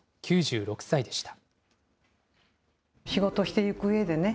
９６歳でした。